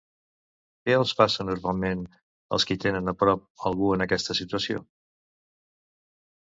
Què els passa normalment als qui tenen a prop algú en aquesta situació?